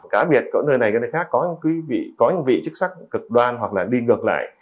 cả biệt có người này có người khác có những vị chức sắc cực đoan hoặc là đi ngược lại